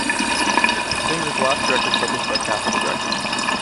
Its the singer’s last record published by Capitol Records.